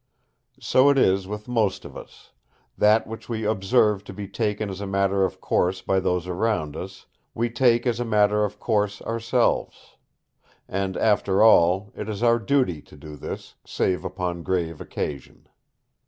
So it is with most of us: that which we observe to be taken as a matter of course by those around us, we take as a matter of course ourselves. And after all, it is our duty to do this, save upon grave occasion.